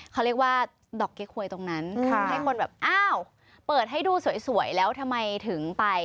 เขาเรียกว่าดอกเก๊ควยตรงนั้นทำให้คนแบบอ้าวเปิดให้ดูสวยแล้วทำไมถึงไป